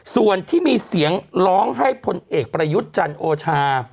ส่วนที่มีเสียงร้องให้พลเอกประยุทธ์จันทร์โอชา